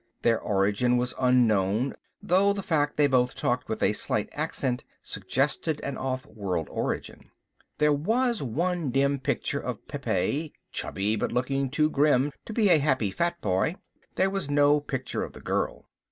Their origin was unknown, though the fact they both talked with a slight accent suggested an off world origin. There was one dim picture of Pepe, chubby but looking too grim to be a happy fat boy. There was no picture of the girl.